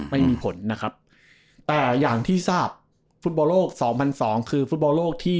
ไม่มีผลนะครับแต่อย่างที่ทราบฟุตบอลโลกสองพันสองคือฟุตบอลโลกที่